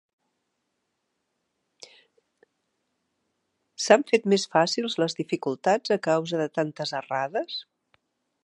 S'han fet més fàcils les dificultats a causa de tantes errades?